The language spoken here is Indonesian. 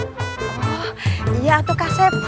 oh iya tuh kasep